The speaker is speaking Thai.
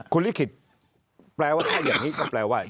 คุณลิขิตแปลว่าถ้าอย่างนี้ก็แปลว่า